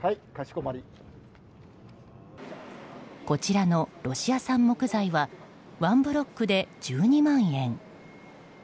こちらのロシア産木材は１ブロックで１２万円。